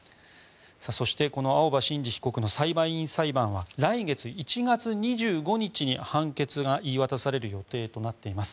そして青葉真司被告の裁判員裁判は来年１月２５日に判決が言い渡される予定となっています。